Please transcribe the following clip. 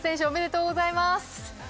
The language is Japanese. おめでとうございます！